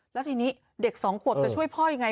แล้วทีนี้เด็กสองขวบจะช่วยพ่อยังไง